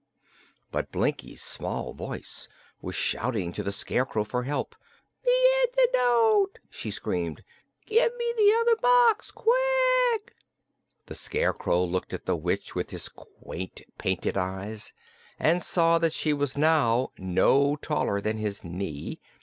But Blinkie's small voice was shouting to the Scarecrow for help. "The antidote!" she screamed. "Give me the other box quick!" The Scarecrow looked at the witch with his quaint, painted eyes and saw that she was now no taller than his knee.